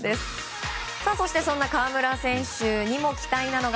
そして、そんな河村選手にも期待なのが